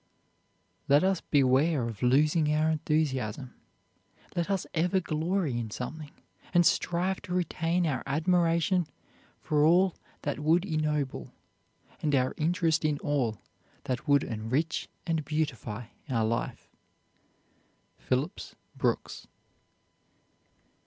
Let us beware of losing our enthusiasm. Let us ever glory in something, and strive to retain our admiration for all that would ennoble, and our interest in all that would enrich and beautify our life. PHILLIPS BROOKS.